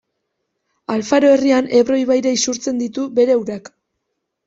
Alfaro herrian Ebro ibaira isurtzen ditu bere urak.